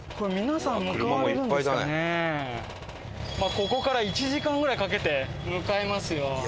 ここから１時間ぐらいかけて向かいますよ。